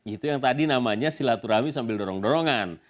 itu yang tadi namanya silaturahmi sambil dorong dorongan